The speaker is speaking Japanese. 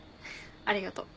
ありがとう。